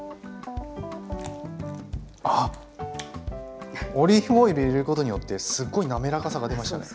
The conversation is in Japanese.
あっオリーブオイル入れることによってすっごい滑らかさが出ましたね。